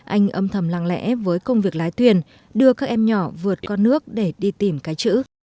anh âm thầm lặng lẽ với công việc lái thuyền đưa các em nhỏ vượt con nước để đi tìm cái chữ